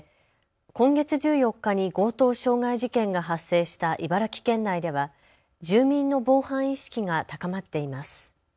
今月１４日に強盗傷害事件が発生した茨城県内では住民の防犯意識が高まっています。